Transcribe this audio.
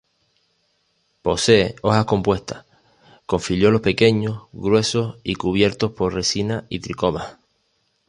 Posee hojas compuestas, con foliolos pequeños, gruesos y cubiertos por resina y tricomas.